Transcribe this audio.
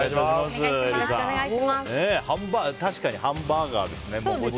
確かにハンバーガーですね。